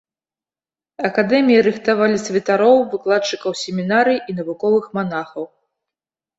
Акадэміі рыхтавалі святароў, выкладчыкаў семінарый і навуковых манахаў.